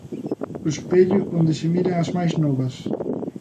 O espello onde se miran as máis novas...